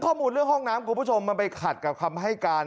ข้อมูลเรื่องห้องน้ำคุณผู้ชมมันไปขัดกับคำให้การ